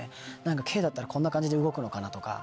Ｋだったらこんな感じで動くのかなとか。